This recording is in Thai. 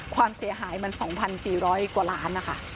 ความเสียหายมัน๒๔๐๐กว่าล้านนะคะ